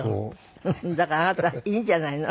だからあなたいいんじゃないの。